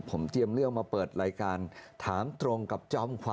ผมเตรียมเรื่องมาเปิดรายการถามตรงกับจอมขวั